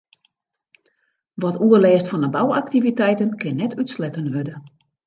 Wat oerlêst fan 'e bouaktiviteiten kin net útsletten wurde.